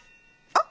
あっ！